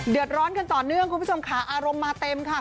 เดือดร้อนกันต่อเนื่องคุณผู้ชมค่ะอารมณ์มาเต็มค่ะ